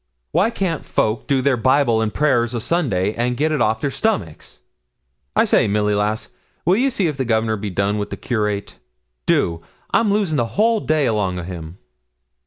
'Why can't folk do their Bible and prayers o' Sundays, and get it off their stomachs? I say, Milly lass, will ye see if Governor be done wi' the Curate? Do. I'm a losing the whole day along o' him.'